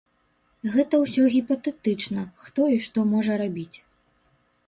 Гэта ўсё гіпатэтычна, хто і што можа рабіць.